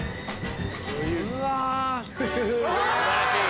・うわ・素晴らしい。